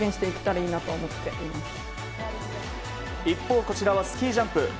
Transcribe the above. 一方、こちらはスキージャンプ。